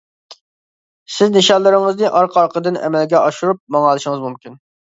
سىز نىشانلىرىڭىزنى ئارقا-ئارقىدىن ئەمەلگە ئاشۇرۇپ ماڭالىشىڭىز مۇمكىن.